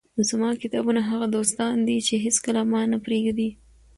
زما کتابونه هغه دوستان دي، چي هيڅکله مانه پرېږي.